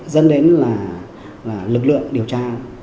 dẫn đến là lực lượng điều tra